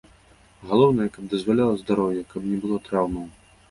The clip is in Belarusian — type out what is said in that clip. Галоўнае, каб дазваляла здароўе, каб не было траўмаў.